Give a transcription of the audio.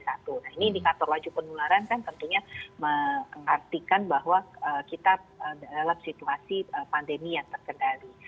nah ini indikator laju penularan kan tentunya mengartikan bahwa kita dalam situasi pandemi yang terkendali